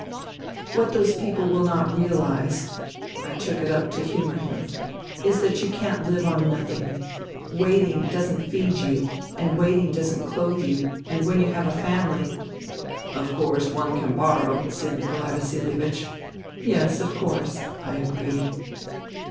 " What those people will not reahze," I took it up to humour him, " is that you can't live on nothing. Waiting doesn't feed you, and waiting doesn't clothe you ; and when you have a family "" Of course, one can borrow," said Nikolai Vasilievich. " Yes, of course," I agreed.